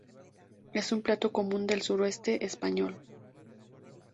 Es un plato común del sureste español.